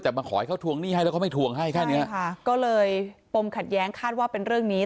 แต่มาขอให้เขาทวงหนี้ให้แล้วเขาไม่ทวงให้แค่เนี้ยค่ะก็เลยปมขัดแย้งคาดว่าเป็นเรื่องนี้